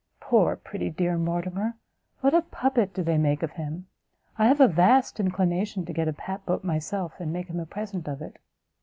Poor pretty dear Mortimer! what a puppet do they make of him! I have a vast inclination to get a pap boat myself, and make him a present of it."